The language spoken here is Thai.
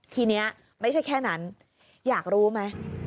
ทีนี้ไม่ใช่แค่นั้นอยากรู้ไหม